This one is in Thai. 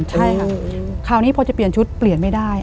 ใช่ค่ะคราวนี้พอจะเปลี่ยนชุดเปลี่ยนไม่ได้